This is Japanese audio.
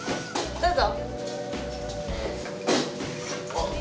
どうぞ。